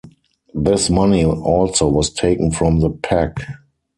This money also was taken from the pack.